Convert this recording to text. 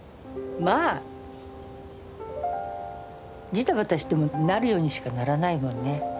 まあジタバタしてもなるようにしかならないもんね。